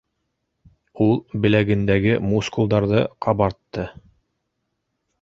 - Ул беләгендәге мускулдарҙы ҡабартты.